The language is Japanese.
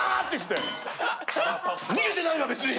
逃げてないわ別に。